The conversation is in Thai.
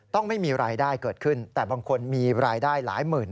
ไม่มีรายได้เกิดขึ้นแต่บางคนมีรายได้หลายหมื่น